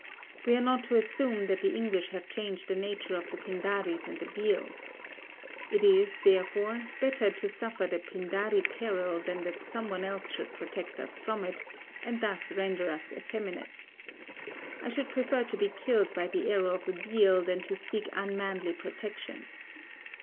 We are not to assume that the English have changed the nature of the Pindaris and the Bhils. It is, therefore, better to suffer the Pindari peril than that some one else should protect us from it, and thus render us effeminate. I should prefer to be killed by the arrow of a Bhil than to seek unmanly protection.